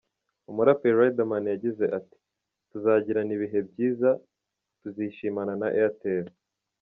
Umuraperi Riderman yagize ati "Tuzagirana ibihe byiza, tuzishimana na Airtel.